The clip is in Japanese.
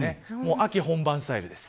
秋本番スタイルです。